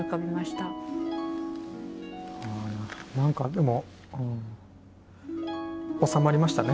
何かでも収まりましたね。